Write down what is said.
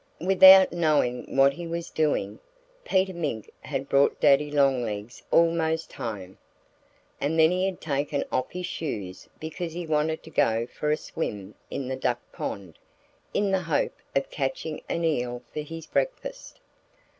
Without knowing what he was doing, Peter Mink had brought Daddy Longlegs almost home. And then he had taken off his shoes because he wanted to go for a swim in the duck pond, in the hope of catching an eel for his breakfast.